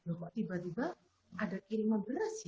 loh kok tiba tiba ada kiriman beras ya